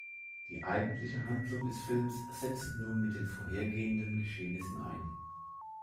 Die eigentliche Handlung des Films setzt nun mit den vorhergehenden Geschehnissen ein.